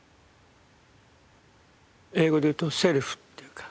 英語で言うと「セルフ」というか。